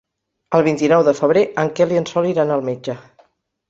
El vint-i-nou de febrer en Quel i en Sol iran al metge.